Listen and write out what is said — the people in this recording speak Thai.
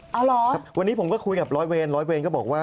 เอาเหรอครับวันนี้ผมก็คุยกับร้อยเวรร้อยเวรก็บอกว่า